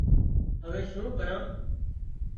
هوي شون ڪران